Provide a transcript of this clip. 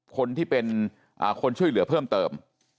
คนที่เป็นคนช่วยเหลือเพิ่มเติม